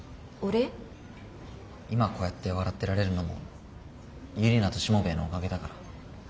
今こうやって笑ってられるのもユリナとしもべえのおかげだから。